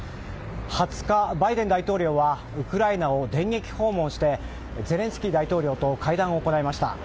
２０日、バイデン大統領はウクライナを電撃訪問してゼレンスキー大統領と会談を行いました。